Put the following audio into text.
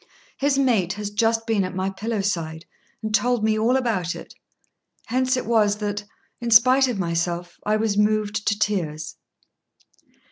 His mate has just been at my pillow side and told me all about it; hence it was that, in spite of myself, I was moved to tears."